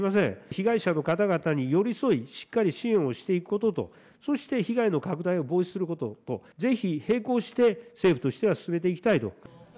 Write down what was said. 被害者の方々に寄り添い、しっかり支援をしていくことと、そして被害の拡大を防止することと、ぜひ並行して政府としては進めていきたいと。